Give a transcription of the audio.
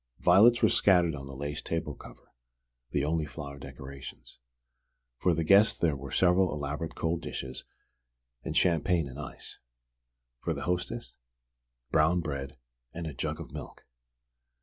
Violets were scattered on the lace table cover, the only flower decorations. For the guest there were several elaborate cold dishes and champagne in ice; for the hostess, brown bread and a jug of milk!